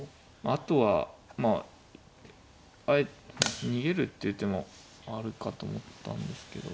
あとはまああえて逃げるっていう手もあるかと思ったんですけど。